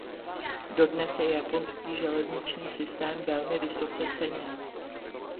Dodnes je japonský železniční systém velmi vysoce ceněn.